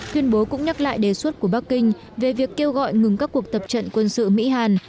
tuyên bố cũng nhắc lại đề xuất của bắc kinh về việc kêu gọi ngừng các cuộc tập trận quân sự mỹ hàn